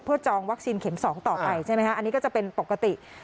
จองวัคซีนเข็ม๒ต่อไปใช่ไหมคะอันนี้ก็จะเป็นปกติ